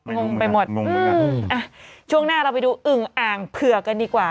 งงไปหมดอืมอะช่วงหน้าเราไปดูอึ่งอ่างเผือกกันดีกว่า